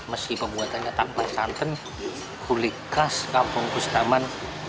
meski pembuatannya tanpa santan gulai khas kampung bustaman